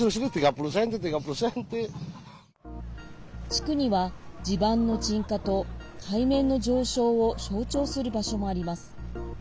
地区には地盤の沈下と海面の上昇を象徴する場所もあります。